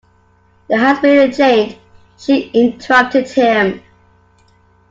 There has been a change, she interrupted him.